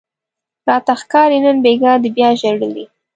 راته ښکاري نن بیګاه دې بیا ژړلي